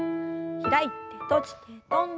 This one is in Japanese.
開いて閉じて跳んで。